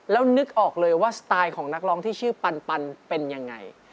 แล้วนึกออกเลยว่าสไตล์ของนักร้องที่ชื่อปันเป็นยังไง